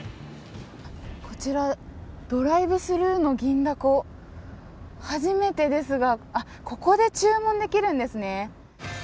こちらドライブスルーの銀だこ、初めてですがここで注文できるんですね。